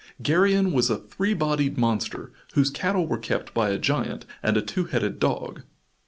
Geryon was a three bodied monster whose cattle were kept by a giant and a two headed dog!